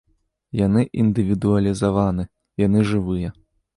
Яны індывідуалізаваны, яны жывыя.